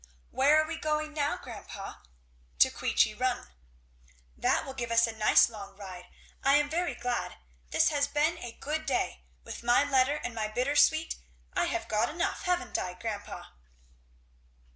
"Where are we going now, grandpa?" "To Queechy Run." "That will give us a nice long ride. I am very glad. This has been a good day. With my letter and my bittersweet I have got enough, haven't I, grandpa?"